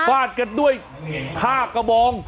ฟาดกันด้วยท่ากระบอง